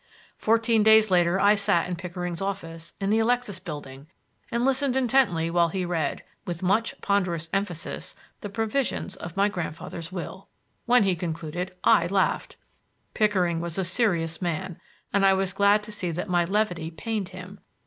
Fourteen days later I sat in Pickering's office in the Alexis Building and listened intently while he read, with much ponderous emphasis, the provisions of my grandfather's will. When he concluded, I laughed. Pickering was a serious man, and I was glad to see that my levity pained him.